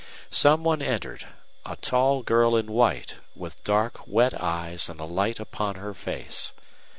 Some one entered a tall girl in white, with dark, wet eyes and a light upon her face.